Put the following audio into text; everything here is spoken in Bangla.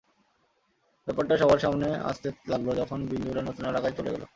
ব্যাপারটা সবার সামনে আসতে লাগল যখন বিন্দুরা নতুন এলাকায় চলে এল।